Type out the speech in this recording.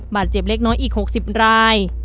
เจ็บเล็กน้อยอีก๖๐ราย